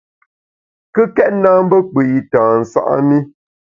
Kùkèt na mbe kpù i tâ nsa’ mi.